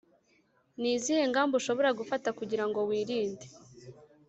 Ni izihe ngamba ushobora gufata kugira ngo wirinde